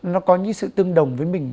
nó có những sự tương đồng với mình